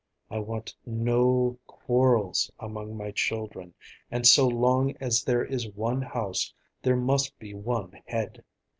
I want no quarrels among my children, and so long as there is one house there must be one head.